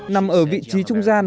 nằm ở vị trí trung gian